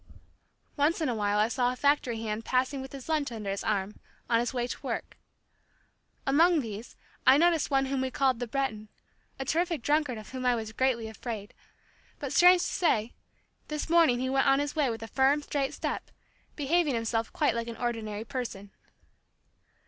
Once in a while, I saw a factory hand passing with his lunch under his arm, on his way to work. Among these, I noticed one whom we called the "Breton," a terrific drunkard of whom I was greatly afraid; but, strange to say, this morning he went on his way with a firm, straight step, behaving himself quite like an ordinary person.